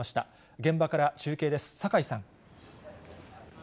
現場から中継です、酒井さん。